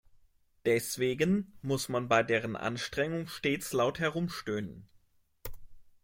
Deswegen muss man bei deren Anstrengung stets laut herumstöhnen.